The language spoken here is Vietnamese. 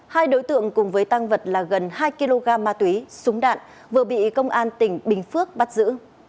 hai đối tượng cùng với tăng vật là gần hai kg ma túy súng đạn vừa bị công an tỉnh bình phước bắt giữ